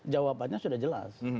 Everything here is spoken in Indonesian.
jawabannya sudah jelas